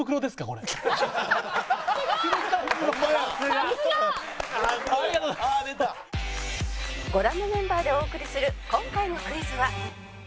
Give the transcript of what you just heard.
ご覧のメンバーでお送りする今回のクイズは